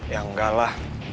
ya enggak lah